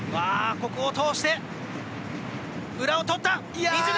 ここを通して裏をとった水沼！